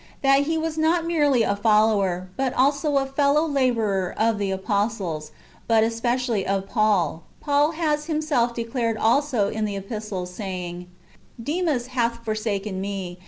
That he was not merely a follower, but also a fellow labourer of the apostles, but especially of Paul, Paul has himself declared also in the epistles, saying :" Demas hath forsaken me